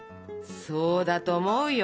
そうだと思うよ！